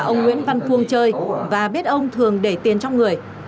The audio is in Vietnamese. ông nguyễn văn phương chơi và biết ông thường để tiền trong người